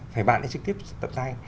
phải bạn ấy trực tiếp tận tay